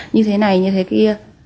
như thế này như thế kia